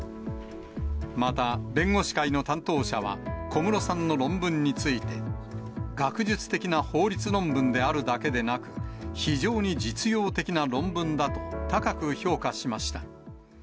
また、弁護士会の担当者は、小室さんの論文について、学術的な法律論文であるだけでなく、非常に実用的な論文だと、高く評価しました。